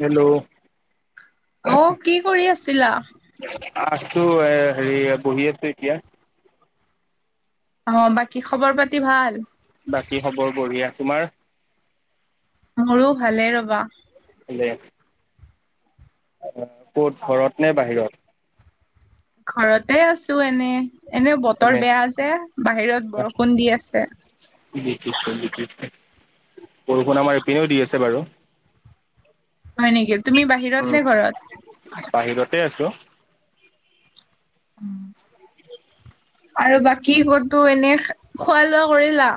Hello অ কি কৰি আছিলা আ' টো এ হেৰি বহি আছো এতিয়া অ' বাকী খবৰ পাতি ভাল? বাকী খবৰ বঢ়িয়া তোমাৰ? মোৰো ভালেই ৰবা। দে আহ ক'ত ঘৰত নে বাহিৰত? ঘৰতে আছো এনে। এনেও বতৰ এনে বেয়া যে বাহিৰত বৰষুণ দি আছে। [unintelligible] বৰষুণ আমাৰ ইপিনেও দি আছে বাৰু হয় নেকি তুমি বাহিৰত উম নে ঘৰত? বাহিৰতে আছো। উম' আৰু বাকী ক'তো এনেই খোৱা লোৱা কৰিলা?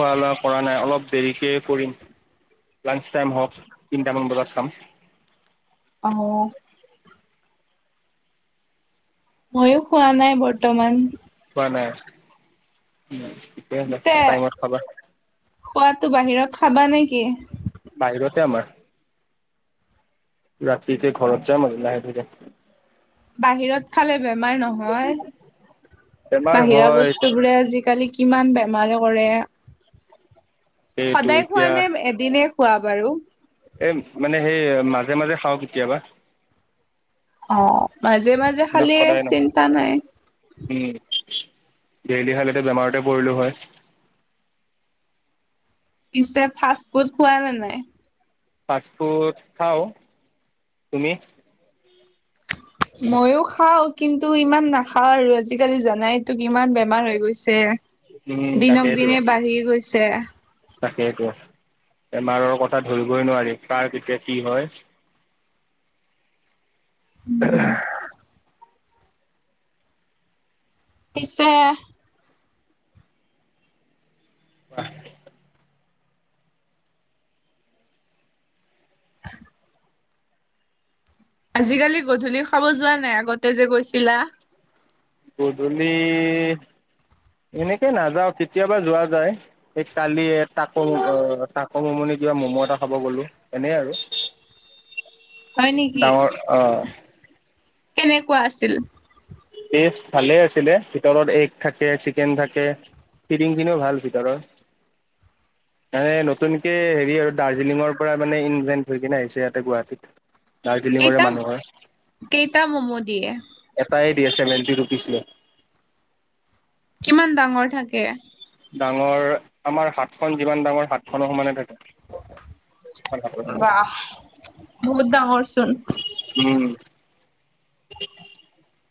খোৱা লোৱা কৰা নাই অলপ দেৰিকে কৰিম লাঞ্চ টাইম হওক তিনটামান বজাত খাম। অ ময়ো খোৱা নাই বৰ্তমান। ম নাই উম পিছে খোৱাতটো বাহিৰত খাবা নেকি? বাহিৰতে আমাৰ ৰাতিকে ঘৰত যাম আৰু লাহে ধীৰে বাহিৰত খালে বেমাৰ নহয়? বেমাৰ বাহিৰা হয় বস্তুবোৰে আজিকালি কিমান বেমাৰে কৰে এইটো সদায় খোৱা নে এদিনে খোৱা বাৰু এ, মানে সেই, মাজে মাজে খাওঁ কেতিয়াবা অ', মাজে মাজে মানে খালে সদায় নহয় চিন্তা নাই। উম, ডেইলি খালেটো বেমাৰতে পৰিলো হয়। পিছে ফাষ্টফুড খোৱানে নাই? ফাষ্টফুড খাওঁ, তুমি? ময়ো খাওঁ, কিন্তু ইমান নাখাওঁ আৰু আজিকালি জানাই তো কিমান বেমাৰ হৈ গৈছে উম, দিনক তাকেইতো দিনে বাঢ়ি গৈছে। তাকেইতো, বেমাৰৰ কথা ধৰিবই নোৱাৰি, কাৰ কেতিয়া কি হয়! [inaudible] উম [unintelligible] পিছে [unintelligible] [inaudible] আজিকালি গধূলি খাব যোৱা নাই, আগতে যে গৈছিলা? গধূলি এনেকে নাযাওঁ কেতিয়াবা যোৱা যায়। এই কালি তাকো অ' তাকোমনি কিবা ম'ম' এটা খাব গ'লো, এনেই আৰু [inaudible] হয় নেকি ডাঙৰ অ' কেনেকুৱা আছিল? টেষ্ট ভালেই আছিলে, ভিতৰত এগ থাকে, চিকেন থাকে। ফিডিংখিনিও ভাল ভিতৰৰ। মানে, নতুনকে হেৰি আৰু দাৰ্জিলিঙৰ পৰা মানে ইনভেণ্ট থৈ কিনে আহিছে ইয়াতে গুৱাহাটীত। দাৰ্জিলিঙৰে কেইটা মানুহ হয়। কেইটা ম'ম' দিয়ে এটাই নাইটি ৰুপিচ লয়। কিমান ডাঙৰ থাকে? ডাঙৰ, আমাৰ হাতখন যিমান ডাঙৰ হাতখনৰ সমানে থাকে। বাহ, বহুত ডাঙৰচোন। উম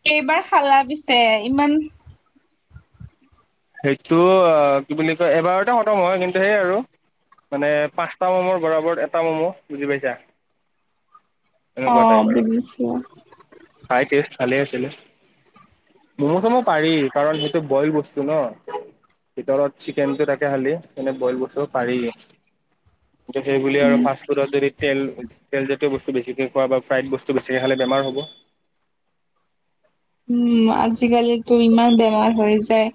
কেইবাৰ খালা পিছে ইমান সেইটো অ', কি বুলি কয়, এবাৰতে খতম হয় কিন্তু সেই আৰু। মানে, পাঁচটা ম'মৰ বৰাবৰত এটা ম'ম, ' বুজি পাইছা? অ এনেকুৱা টাইপ আৰু, বুজিছো খাই টেষ্ট ভালে আছিলে। ম'ম খাব পাৰি, কাৰণ সেইটো বইল বচ ন, ভিতৰত চিকেনটো তাকে খালি, এনে বইল [unintelligible] পাৰি। সেইবুলি আৰু ফাষ্টফুডত যদি তেল, তেলজাতীয় বস্তু বেছিকে খোৱা বা ফ্ৰাইড বস্তু বেছিকে খালে বেমাৰ হ'ব। উম, আজিকাল ত ইমান বেমাৰ হৈ যায়,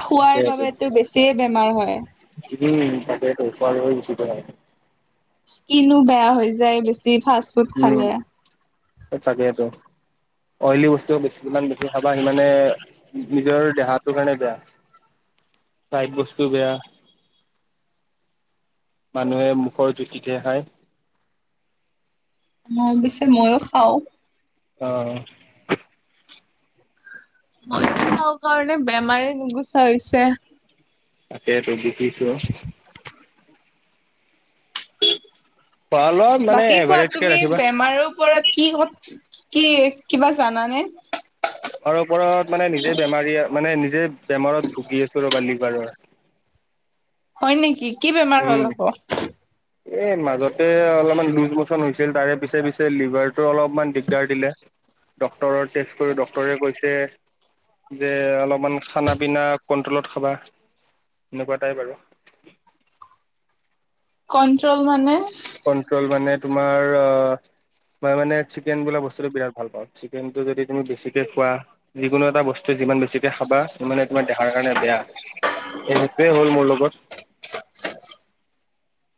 খোৱাৰ বাবেতো বেছিয়ে বেমাৰ হয়। উম, তাকেটো। [unintelligible] বেছি বেয়া। স্কিনো বেয়া হৈ যায়, বেছি ফাষ্টফুড খালে। তাকেত', অইলী বস্তু বেছি যিমান বেছি খাবা সিমানে নিজৰ দেহাতো কাৰণে বেয়া। ফ্ৰাইড বস্তু বেয়া। মানুহে মুখৰ জুতিতে হায়। মই অৱশে মইয়ো খাওঁ। অ'। [unintelligible] খাওঁ কাৰণে বেমাৰে নুগুচা হৈছে। তাকেইত, ভোগিছ। খোৱা লোৱা মানে বাকী কোৱা এভাৰেজকে তুমি ৰাখিবা। বেমাৰৰ পৰাৰত কি ক কি কিবা জানানে? তাৰ ওপৰত মানে নিজে বেমাৰীয়ে মানে নিজে বেমাৰত ভুগি আছো ৰ'বা লিভাৰৰ হয় নেকি কি বেমাৰ হ'ল আকৌ? এই মাজতে অলপমান লুজ মচন হৈছিল তাৰে পিছে পিছে লিভাৰটো অলপমান দিগদাৰ দিলে ড্টৰৰ েষ্ট কৰো ড্টৰে কৈছে যে অলপমান খানা পিনা কন্ট্ৰলত খাবা এনেকুৱাটাই বাৰু কণ্ট্ৰল মানে কন্ট্ৰল মানে তোমাৰ অ', মই মানে চিকেন বোা বস্তুটো বিৰাট ভাল পাওঁ চিকেনটো যদি তুমি বেছিকে খোৱা যিকোনো এটা বস্তু যিমান বেছিকে খাবা সিমানে তোমাৰ দেহাৰ কাৰণে বেয়া স সেইটয়ে হ'ল মোৰ লগত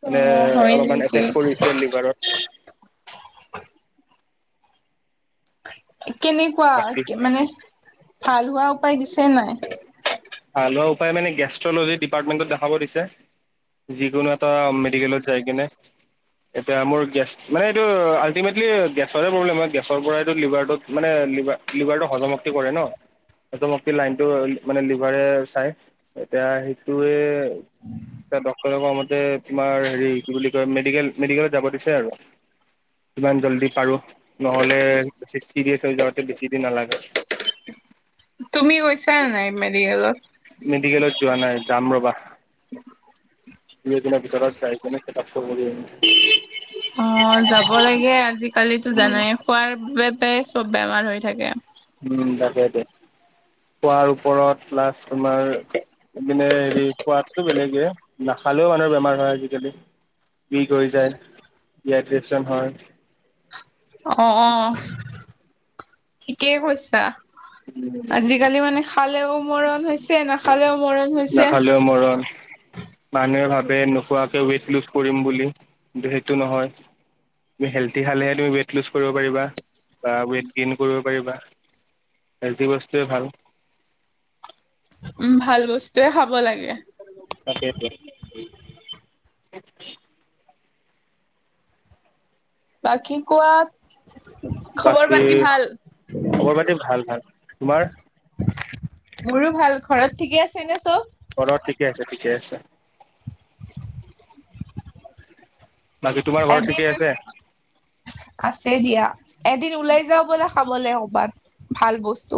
অ মানে হয় অলপমান নেকি এফেক্ট কৰিছে লিভাৰত কেনেকুৱা বাকী মানে ভাল হোৱা উপায় দিছে নাই হ লোৱা উপায় মানে গেষ্ট্ৰলজি ডিপাৰ্টমেণ্টত দেখাব দিছে যিকোনো এটা মেডিকেলত যায় কিনে এতিয়া মোৰ গেছ মানে এইটো আল্টিমেটলি গেছৰে প্ৰব্লেম হয় গেছৰ পৰাটো লিভাৰটোত মানে ব একবাৰে চাই এতিয়া সেইটোৱে এ ড্টৰ ক মতে তোমাৰ হেৰি কি বুলি কয় মেডিকেল মেডিকেলত যাব দিছে আৰু ইমান জল্দি পাৰো নহলে বেছি চিৰিয়াছ হৈ যাওঁতে বেছি দ নালাগে তুমি গৈছা নাই মেডিকেলত মেডিকেলত যোৱা নাই যাম ৰবা তিনি এদিনৰ ভিতৰত যাই কিনে কিতাপ চ কৰি আ অ', যাব লাগে আজিকালিতো জানাই খোৱাৰ বাবে চব বেমাৰ হৈ থাকে খুৱোৱাৰ ওপৰত প্লাছ তোমাৰা হেৰি খোৱটো বেলেগে নাখালেও মানুহৰ বেমাৰ হয় আজিকালি বিষ কৰি যায় ডিড্ৰচন হয় অ', ঠিকেই কৈছা আজিকালি মানে খালেও মৰণ হৈছে নাখালেও মৰণ হৈছে মানে- ব নোখোৱাকে ৱেইট লুজ কৰিম বুলি কিন্তু সেইটো নহয় তুমি হেলডি খালেহে তুমি ৱেইট লুজ কৰিব পাৰিবা বা ৱেইট গেইন কৰিব পাৰিবা হেলদি বস্তুৱে ভাল উম ভাল বস্তুৱয়ে খাব লাগে তাকে বাকী কোৱা খবৰ বাকী পাতি ভাল খবৰ পাতি ভাল ভাল তোমাৰ মোৰো ভাল ঘৰত ঠিকে আছে নে? চব ঘৰত ঠিকে আছে ঠিকে আছে বাকী তোমাৰ ঘৰত এদিন ঠিকে আছে আছে দিয়া এদিন ওলাই যাও ব'লা খাবলে কবাত ভাল বস্তু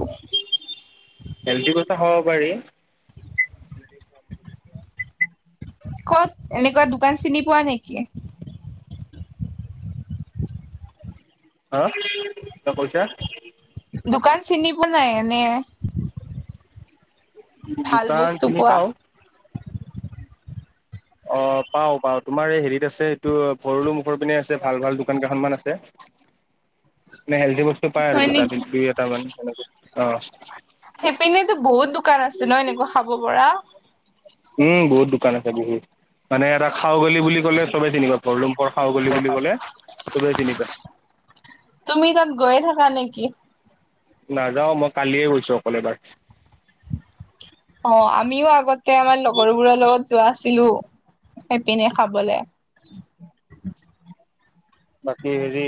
হেল্ডি কথা খাব পাৰি [unintelligible] কত এনেকুৱা দোকান চিনি পোৱা নেকি? হা কিবা কৈছা দোকান চিনি পোৱা নাই এনে ভাল দোকান বস্তু চিনি পোৱা পাওঁ অ পাও পাও তোমাৰ এই হেৰিত আছে এইটো ভৰলো মুখৰ পিনে আছে ভাল ভাল দোকান কেইখনমান আছে উ মানে হেল্ডি বস্তু পায় আৰু দুটা দ, দুই এটা মান, অহ। সেইপিনেতো বহুত দোকান আছে ন', এনেকুৱা খাব পৰা। উম, বহুত দোকান আছে বহুত, মানে এটা খাওঁ বুলি বুলি ক'লে চবেই চিনি পা গৰলম পৰ খাউগলী বুলি ক'লে, চবেই চিনি পায়। গৈ থাকা নেকি? নাযাওঁ, মই কালিয়েই গৈছোঁ অকলে এবাৰ। অ যোৱাচিলো, সেইপিনে খাবলৈ। বাকী হেৰি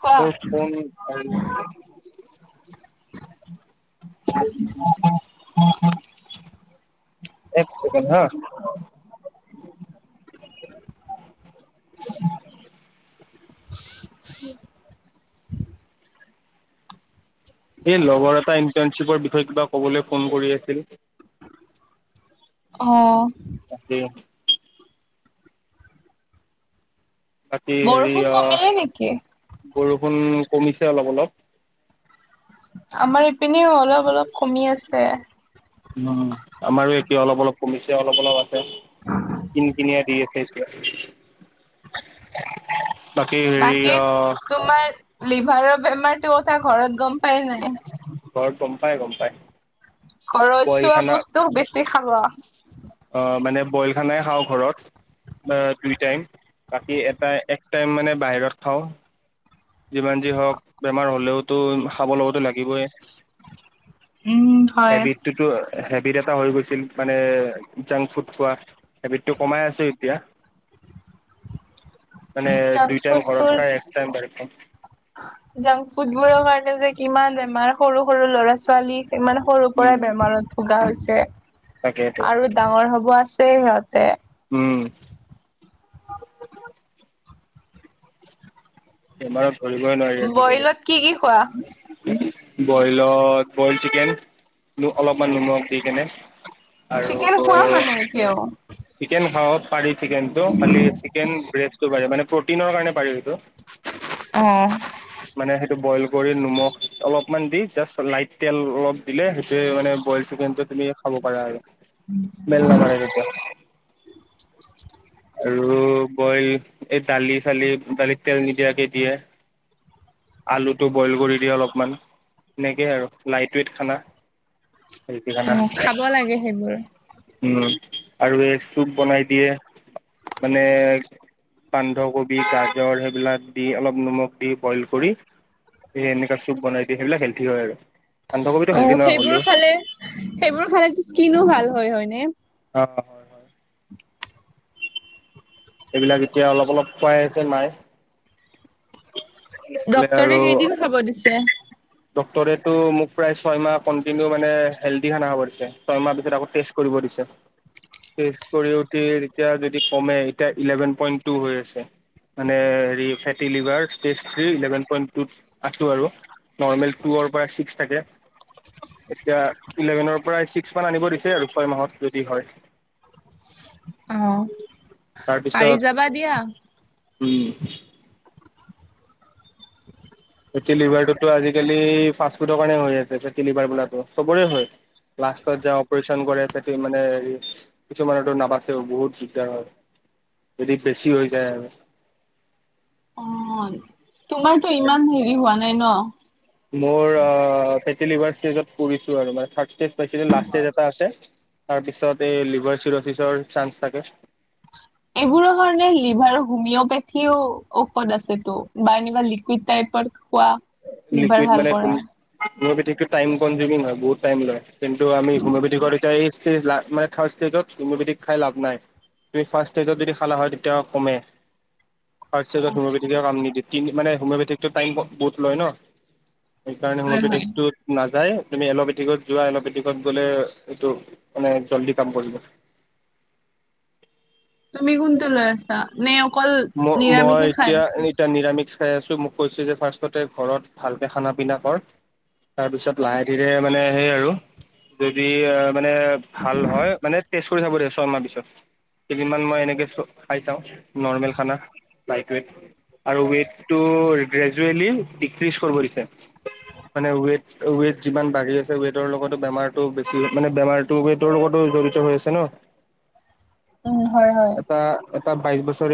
খোৱা [unintelligible] এক চেকেণ্ড হা। [unintelligible] উম। এই লগৰ এটাই ইন্টাৰ্ণশ্বিপৰ বিষয়ে কিবা ক'বলৈ ফোন কৰি আছিল। অহ। তাকেই। বাকী হেৰি বৰষুণ অ', কমিলে নেকি? বৰষুণ কমিছে অলপ অলপ। আমাৰ পিনে অলপ অলপ কমি আছে। উম, আমাৰো একে অলপ অলপ কমিছে অলপ অলপ আছে, কিন কিনিয়া দি আছে। সেইটোৱেই, বাকি হেৰি বাকী অ' তোমাৰ লিভাৰৰ বেমাৰটোৰ কথা ঘৰত গম পাই নে নাই? ঘৰত গম পাই, গম পাই। ঘৰত বইল হোৱা খানা বস্তু বেছি খাবা। অ', মানে বইল খানাই খাওঁ ঘৰত। দুই টাইম, বাকী এটা এক টাইম মানে বাহিৰত খাওঁ। যিমান যি হওঁক বেমাৰ হ'লেওতো, খাব লগতো লাগ গিবয়েই। উম হয় হেবিত এটা হৈ গৈছিল, মানে জাংক ফুড খোৱা, হেবিতটো কমাই আছোঁ এতিয়া। [unintelligible] মানে জাংক দুই টাইম ঘৰত ফুডবোৰ খাই, এক টাইম বাহিৰত খাওঁ। জাংক ফুটবোৰৰ কাৰণে যে কিমান বেমাৰ, সৰু সৰু ল'ৰা ছোৱালীৰ ইমান সৰুৰ উম, পৰাই বেমাৰত ভোগা হৈছে, তাকেইতো আৰু ডাঙৰ হ'ব আছ ছেই সিহঁতে। উম। বেমাৰত ধৰিবই নোৱাৰি বইলত কি কি খোৱা আজিকালি। বইলত, বইল চিকেন অলপমান নিমখ দি কেনে আৰু চিকেন খোৱা মানে এতিয়াও। চিকেন খাব পাৰি চিকেনটো, খালি চিকেন ব্ৰেষ্টটো পাৰি, মানে প্ৰটিনৰ কাৰণে পাৰি। উম। মানে সেইটো বইল কৰি, নিমখ অলপমান দি, জাষ্ট লাইট তেল অলপ দিলে, সেইটোৱেই মানে বইল চিকেন য়ে খাব পাৰা আৰু, স্মেল নামাৰে কেতিয়াওঁ। উম, বইল এই দালি চালি, দালিত তেল নিদিয়াকে দিয়া। আলুটো বইল কৰি দিয়ে অলপমান, সেনেকেই আৰু লাইট ৱেইট খানা। হেল্ডি খানা অ', খাব লাগে সেইবোৰ। আৰু এই চুপ বনাই দিয়ে, মানে বান্ধাকবি, গাজৰ সেইবিলাক দি, অলপ নিমখ দি বইল কৰি। সেই এনেকা চুপ বনাই দিয়ে, সেইবিলাক হেলঠি হয় আৰু। বান্ধাকবিটো অ' হেল্ডি নহয় সেইবোৰ হ'লেও খালে সেইবোৰ খালে স্কিনো ভাল হয় হয় ন'? অ' হয় হয়। এইবিলাক এতিয়া অলপ অলপ খোৱাই আছে মায়ে। নহ'লে ডক্তৰে কেইদিন খাব দিছে? ডক্টৰেটো মোক প্ৰায় ছয় মাহ কন্টিনিউ মানে হেল্ডি খানা খাব দিছে। ছয় মাহ আকৌ ষ্টেত কৰিব। কৰিছে। টেষ্ট কৰি উঠি এতিয়া যদি কমে, এতিয়া ইলেভেন পইন্ট টু হৈ আছে। মানে হেৰি fatty liver stage three eleven point টুত আছোঁ আৰু। নৰ্মেল টুৰপৰা ছিক্স থাকে। এতিয়া ইলেভেনৰপৰাই ছিক্সমান আনিব দিছে আৰু ছয় মাহত যদি হয়। অ' পাৰি যাবা দিয়া। উম। ফেটী লিভাৰটোতো আজিকালি ফাষ্ট ফুডৰ কাৰণে হৈ আছে। ফেটী লিভাৰটো চবৰে হয়। লাষ্টত যায় অপাৰেচন কৰে তাতে মানে হে কিছুমানতো নাবাচেও বহুত দিগদাৰ হয়। যদি বেছি হৈ যায় আৰু। অ'। তোমাৰতো ইমান হেৰি হোৱা নাই ন'? মোৰ আ টেলিভাৰ ষ্টেজত পৰিছোঁ আৰু, মানে থাৰ্ড ষ্টেজ পা লাষ্ট ষ্টেজ এটা আছে। তাৰপিছত এই লিভাৰ চিৰচিচৰ চান্স থাকে। [unintelligible] এইবোৰৰ কাৰণে লিভাৰ হোমিঅপেথিও ঔষধ আছেতো বা এনেুৱা লিকুইড টাইপত। খোৱা লিভাৰ লিকুইড ভাল মানে কৰা। হোমি'অপেথিকটো টাইম কম দিনত নহয়, বহুত টাইম লয় কিন্তু আমি হোমঅপেথিকৰ ইটাই সেই লাষ্ট মানে থাৰ্ড ষ্টেজত হোমিঅ'পিঠিক খাই লাভ নাই। তুমি ফাৰ্ষ্ট ষ্টেজত যদি খালা হয় তেতিয়া কমে। ফাৰ্ষ্ট ষ্টেজত হোমিওপ'থিকে কাম নিদিয়ে, মানে হমিঅ'পেথিক টাইম বহুত লয় ন'। সেইকাৰণে হয় হয় হোমিওপথিকটোত নাযায়। তুমি এল'পেথিকত যোৱা, এল'পেথিকত গ'লে এইটো মানে জল্দি কাম কৰিব। তুমি কোনটো লৈ আছা নে অকল ম-মই নিৰামিষে খাই এতিয়া আছা? এতিয়া নিৰামিষ খাই আছোঁ। মোক কৈছে যে ফাৰ্ষ্টতে ঘৰত ভালকে খানা পিনা কৰ। তাৰপিছত লাহে ধীৰে মানে সেই আৰু যদি অ মানে ভাল নহয় মানে তেজ কৰি থাক দিয়া ছমাহ, পিছত কেইদিনমান মই এনেকে খাই চাওঁ নৰ্মেল খানা, লাইট ৱেইট। আৰু ৱেইটটো গ্ৰেজুৱেলি ডিক্ৰিজ কৰিব দিছে। মানে ৱেইট ৱেইট যিমান বাঢ়ি আছে ৱেইটৰ লগতো বেমাৰটো বেছি মানে বেমাৰটো ৱেইটৰ লগতো জৰিত হৈ আছে ন'। উম হয় হয়। এটা এটা বাইশ বছৰে